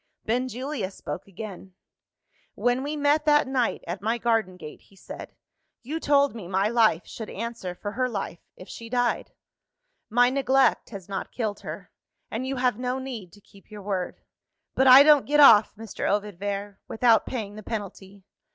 Benjulia spoke again. "When we met that night at my garden gate," he said, "you told me my life should answer for her life, if she died. My neglect has not killed her and you have no need to keep your word. But I don't get off, Mr. Ovid Vere, without paying the penalty.